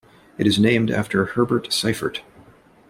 It is named after Herbert Seifert.